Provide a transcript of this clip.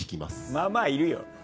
まあまあいるよ！